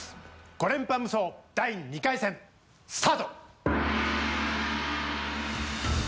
５連覇無双第２回戦スタート！